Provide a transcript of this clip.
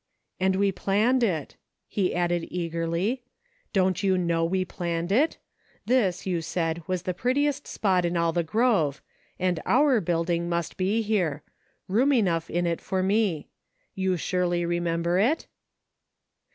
" And we planned it," he added eagerly. "Don't you know we planned it ? This, you said, was the prettiest spot in all the grove, and our building must be here ; room enough in it for me. You surely remember it.''"